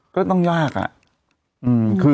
ก็ต้องยากอะ